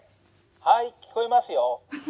「はい聞こえますよ」。